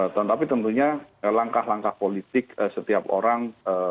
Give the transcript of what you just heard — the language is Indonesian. tetapi tentunya langkah langkah politik setiap orang